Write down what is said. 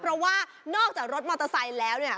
เพราะว่านอกจากรถมอเตอร์ไซค์แล้วเนี่ย